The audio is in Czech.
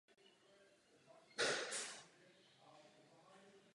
Spřátelil se s několika místními obyvateli.